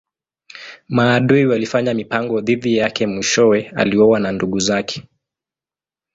Maadui walifanya mipango dhidi yake mwishowe aliuawa na ndugu zake.